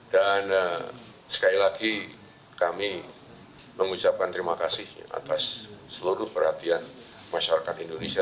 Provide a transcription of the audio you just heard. dan sekali lagi kami mengucapkan terima kasih atas seluruh perhatian masyarakat indonesia